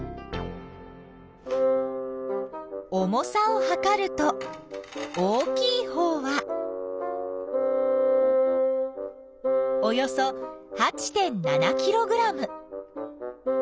重さをはかると大きいほうはおよそ８．７ｋｇ。